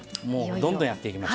どんどんやっていきます。